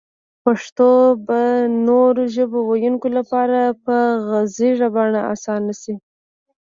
پښتو به نورو ژبو ويونکو لپاره په غږيزه بڼه اسانه شي